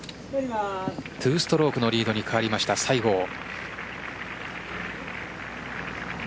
２ストロークのリードに変わりました、西郷。